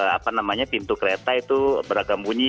apa namanya pintu kereta itu beragam bunyi